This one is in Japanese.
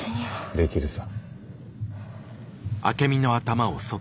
できるさ。